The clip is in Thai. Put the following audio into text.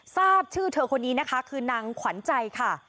ทราบชื่อเธอคนนี้นะคะคือนางขวัญใจค่ะ